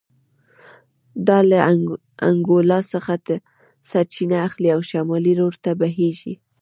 دا له انګولا څخه سرچینه اخلي او شمال لور ته بهېږي